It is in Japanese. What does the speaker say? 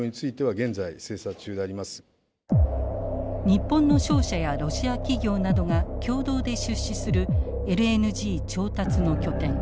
日本の商社やロシア企業などが共同で出資するＬＮＧ調達の拠点